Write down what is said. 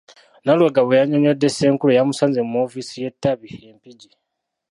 Nalubega bwe yannyonnyodde Ssenkulu eyamusanze mu ofiisi y’ettabi e Mpigi.